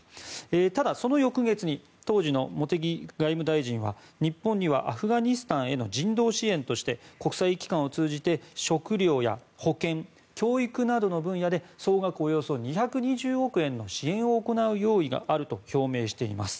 ただ、その翌月に当時の茂木外務大臣は日本にはアフガニスタンへの人道支援として国際機関を通じて食料や保健・教育などの分野で総額およそ２２０億円の支援を行う用意があると表明しています。